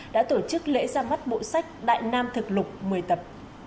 đã tổ chức lễ ra mắt bộ sách đại nam thực lục một mươi tập